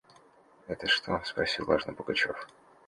«Это что?» – спросил важно Пугачев.